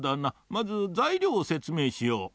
まずざいりょうをせつめいしよう。